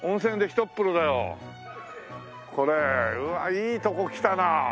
うわあいいとこ来たな。